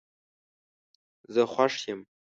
زه خوش یم